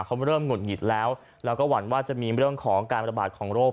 เขาเริ่มหุดหงิดแล้วแล้วก็หวั่นว่าจะมีเรื่องของการประบาดของโรค